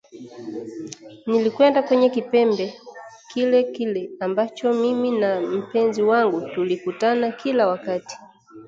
Nilikwenda kwenye kipembe kile kile ambacho mimi na mpenzi wangu tulikutana kila wakati